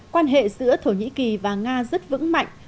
quan hệ giữa thổ nhĩ kỳ và nga rất vững mạnh